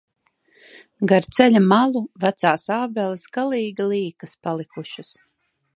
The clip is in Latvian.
Gar ceļa malu vecās ābeles galīgi līkas palikušas.